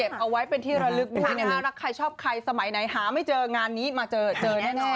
เอาไว้เป็นที่ระลึกด้วยนะคะรักใครชอบใครสมัยไหนหาไม่เจองานนี้มาเจอเจอแน่